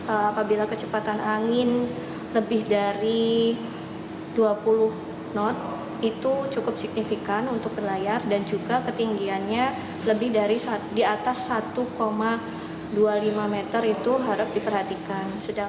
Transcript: apabila kecepatan angin lebih dari dua puluh knot itu cukup signifikan untuk berlayar dan juga ketinggiannya lebih dari di atas satu dua puluh lima meter itu harap diperhatikan